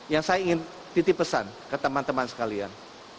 yang saya ingin titip pesan ke teman teman sekalian